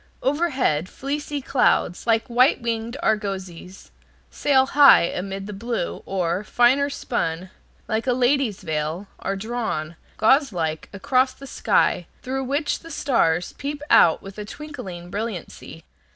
Overhead fleecy clouds, like white winged argosies, sail high amid the blue, or, finer spun, like a lady's veil, are drawn, gauzelike, across the sky, through which the stars peep out with twinkling brilliancy.